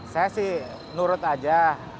saya sih nurut aja